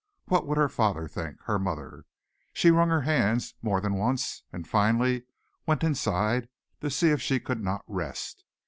What would her father think, her mother? She wrung her hands more than once and finally went inside to see if she could not rest.